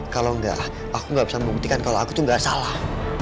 kalau enggak aku gak bisa membuktikan kalau aku tuh gak salah